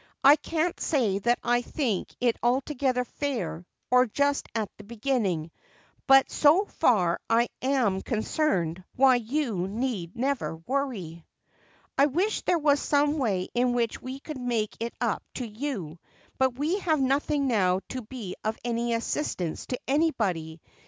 "I can't say that I think it altogether fair or just at the beginning. But so far as I am concerned, why you need never worry." "I wish there were some way in which we could make it up to you, but we have nothing now to be of any assistance to anybody.